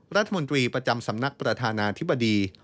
รัฐมนตรีประจำสำนักประธานาธิบดี